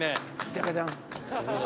ジャカジャン。